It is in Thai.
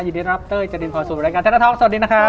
ยินดีต้อนรับเต้ยเจรินพรสู่รายการเทรดทอล์กสวัสดีนะครับ